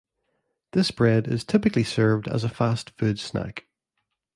This bread is typically served as a fast food snack.